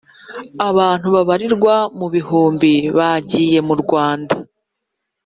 abantu babarirwa mu bihumbi bagiye murwanda